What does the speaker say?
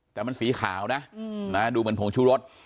แต่มันสีขาวนะดูเหมือนผงชูรส